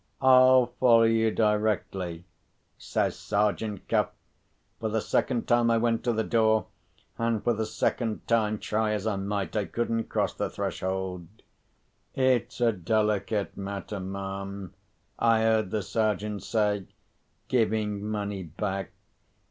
"I'll follow you directly," says Sergeant Cuff. For the second time, I went to the door; and, for the second time, try as I might, I couldn't cross the threshold. "It's a delicate matter, ma'am," I heard the Sergeant say, "giving money back.